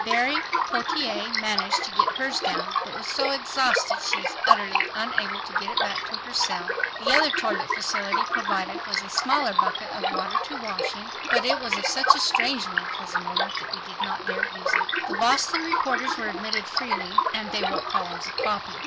Berry Pottier managed to get hers down, but was so exhausted she was utterly unable to get it back to her cell. "The other toilet facility provided was a smaller bucket of water to wash in, but it was of such a strangely unpleasant odor that we did not dare use it." The Boston reporters were admitted freely—and they wrote columns of copy.